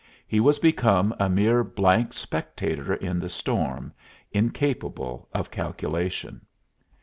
He was become a mere blank spectator in the storm, incapable of calculation.